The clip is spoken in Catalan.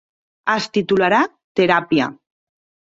Es titularà "Teràpia".